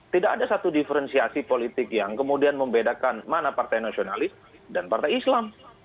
tidak ada satu diferensiasi politik yang kemudian membedakan mana partai nasionalis dan partai islam